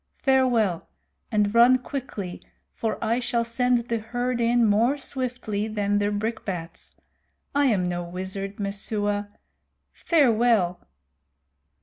Farewell; and run quickly, for I shall send the herd in more swiftly than their brickbats. I am no wizard, Messua. Farewell!"